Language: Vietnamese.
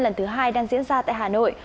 lần thứ hai đang diễn ra tại hà nội